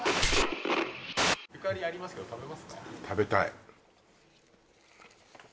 食べたい